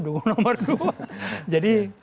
dukung nomor dua jadi